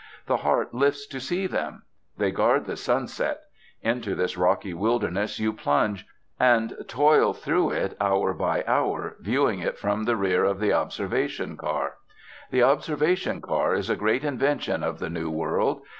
The heart lifts to see them. They guard the sunset. Into this rocky wilderness you plunge, and toil through it hour by hour, viewing it from the rear of the Observation Car. The Observation Car is a great invention of the new world.